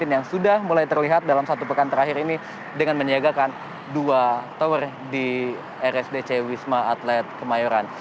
yang sudah mulai terlihat dalam satu pekan terakhir ini dengan menyiagakan dua tower di rsdc wisma atlet kemayoran